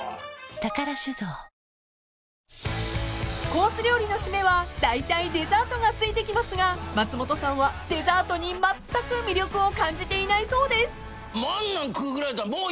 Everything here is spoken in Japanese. ［コース料理の締めはだいたいデザートがついてきますが松本さんはデザートにまったく魅力を感じていないそうです］